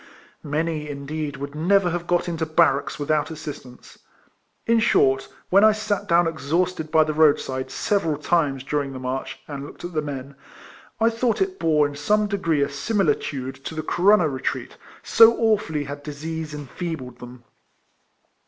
Many, indeed, would never have got into barracks without assistance. In short, when I sat down exhausted by the road side several times during the march, and looked at the men, I thought it bore in some degree a similitude to the Corunna retreat ; so awfully had disease enfeebled them.